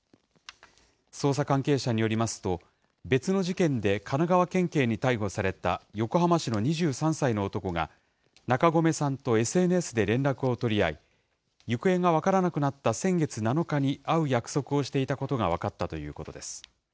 捜査関係者によりますと、別の事件で神奈川県警に逮捕された横浜市の２３歳の男が、中込さんとＳＮＳで連絡を取り合い、行方が分からなくなった先月７日に会う約束をしていたことが分かったということです。